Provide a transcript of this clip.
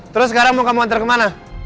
terus sekarang mau kamu antar kemana